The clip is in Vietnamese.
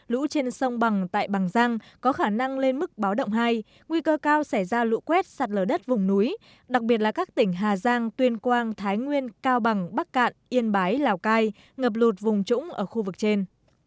lũ trên sông bằng tại bằng giang có khả năng lên mức báo động hai nguy cơ cao xảy ra lũ quét sạt lở đất vùng núi đặc biệt là các tỉnh hà giang tuyên quang thái nguyên cao bằng bắc cạn yên bái lào cai ngập lụt vùng trũng ở khu vực trên